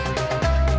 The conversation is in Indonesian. saya juga ngantuk